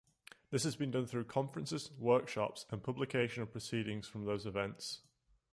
This has been done through conferences, workshops and publication of proceedings from those events.